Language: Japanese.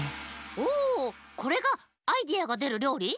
おこれがアイデアがでるりょうり？